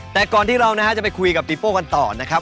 แต่ก่อนที่เรานะฮะจะไปคุยกับตีโป้กันต่อนะครับ